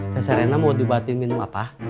teh serena mau dibahatin minum apa